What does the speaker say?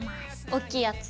おっきいやつ。